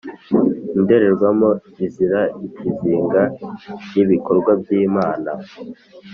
indorerwamo izira ikizinga y’ibikorwa by’Imana,